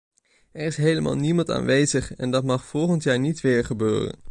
Er is helemaal niemand aanwezig en dat mag volgend jaar niet weer gebeuren.